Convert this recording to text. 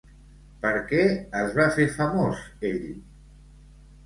Per què es va fer famós ell?